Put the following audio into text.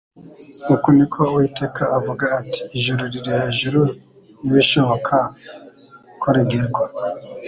Uku ni ko Uwiteka avuga ati, Ijuru riri hejuru nibishoboka ko rigerwa,